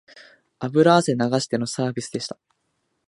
油汗流してのサービスでした